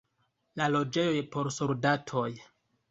La loĝejoj por soldatoj.